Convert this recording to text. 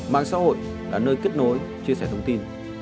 mạng xã hội là nơi kết nối chia sẻ thông tin